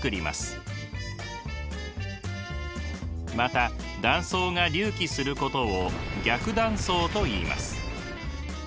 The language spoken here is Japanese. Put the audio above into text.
また断層が隆起することを逆断層といいます。